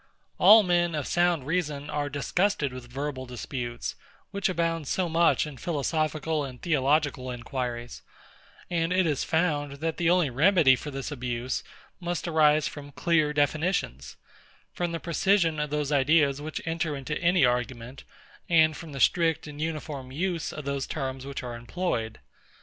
All men of sound reason are disgusted with verbal disputes, which abound so much in philosophical and theological inquiries; and it is found, that the only remedy for this abuse must arise from clear definitions, from the precision of those ideas which enter into any argument, and from the strict and uniform use of those terms which are employed.